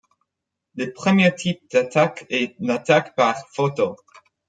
Le premier type d'attaque est l'attaque par photo.